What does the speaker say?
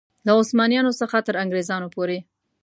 له عثمانیانو څخه تر انګرېزانو پورې.